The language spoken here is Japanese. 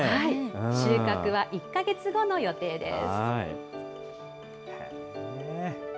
収穫は１か月後の予定です。